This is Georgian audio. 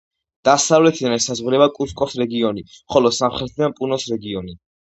დასავლეთიდან ესაზღვრება კუსკოს რეგიონი, ხოლო სამხრეთიდან პუნოს რეგიონი.